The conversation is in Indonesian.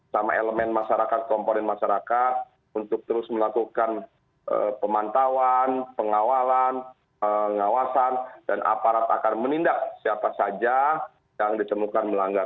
sama elemen masyarakat komponen masyarakat untuk terus melakukan pemantauan pengawalan pengawasan dan aparat akan menindak siapa saja yang ditemukan melanggar